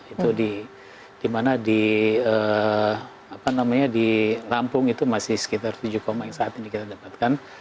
itu di mana di lampung itu masih sekitar tujuh yang saat ini kita dapatkan